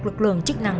lực lượng chức năng